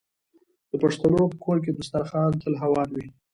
د پښتنو په کور کې دسترخان تل هوار وي.